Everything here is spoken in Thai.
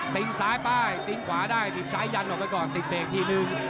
ติ๊งซ้ายไปติ๊งขวาได้ติ๊งซ้ายยันออกไปก่อนติ๊งเปลี่ยงทีนึง